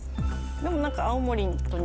でも何か。